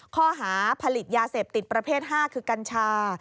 ข้อหาผลิตยาเสพติดประเภท๕คือกัญชา